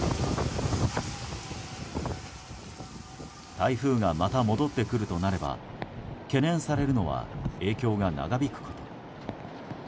台風がまた戻ってくるとなれば懸念されるのは影響が長引くこと。